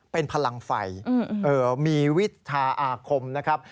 เป็นพลังไฟมีวิทยาอาคมนะครับ